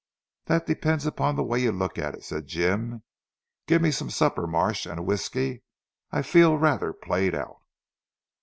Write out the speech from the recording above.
"That depends upon the way you look at it," said Jim. "Give me some supper Marsh, and a whisky. I feel rather played out."